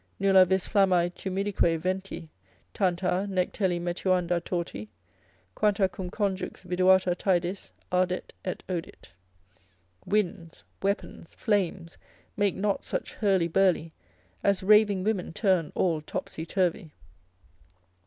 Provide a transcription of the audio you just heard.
Nulla vis flammae tumidique venti Tanta, nec teli metuanda torti. Quanta cum conjux viduata taedis Ardet et odit. Winds, weapons, flames make not such hurly burly, As raving women turn all topsy turvy.